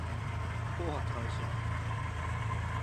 紅白楽しみ